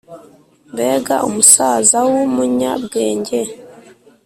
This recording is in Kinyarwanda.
Mbega umusazawu munya bwenge